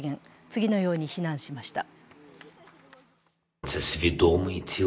次のように非難しました。